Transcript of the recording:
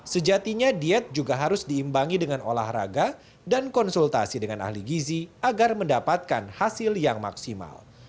sejatinya diet juga harus diimbangi dengan olahraga dan konsultasi dengan ahli gizi agar mendapatkan hasil yang maksimal